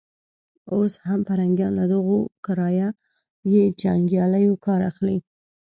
اوس هم پرنګيان له دغو کرایه يي جنګیالیو کار اخلي.